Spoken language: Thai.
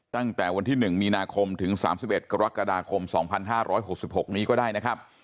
ตั้งแต่วันที่๑มีนาคมถึง๓๑กรกฎาคม๒๕๖๖นี้ก็ได้นะครับ